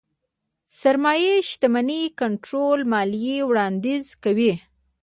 سرمايې شتمنۍ کنټرول ماليې وړانديز کوي.